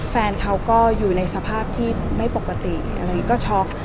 แฟนเขาก็อยู่ในสภาพที่ไม่ปกติอะไรอย่างนี้ก็ช็อก